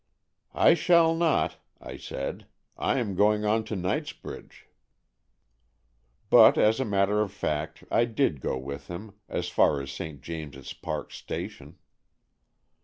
'' I shall not," I said, " I am going on to Knightsbridge." But as a matter of fact I did go with him as far as St. James's Park Station.